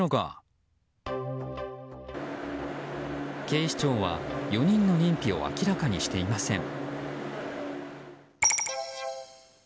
警視庁は４人の認否を明らかにしていません。